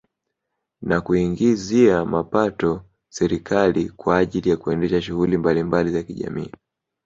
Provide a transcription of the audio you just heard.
Na kuiingizia mapato serikali kwa ajili ya kuendesha shughuli mbalimbali za kijamiii